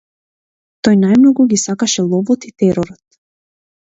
Тој најмногу ги сакаше ловот и теророт.